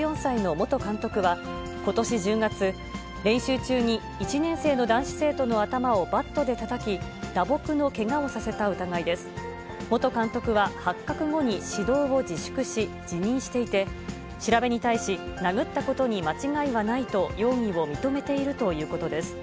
元監督は、発覚後に指導を自粛し、辞任していて、調べに対し、殴ったことに間違いはないと、容疑を認めているということです。